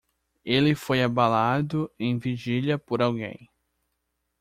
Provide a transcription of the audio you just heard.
Ele foi abalado em vigília por alguém.